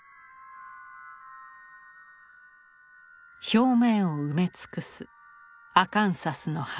表面を埋め尽くすアカンサスの葉。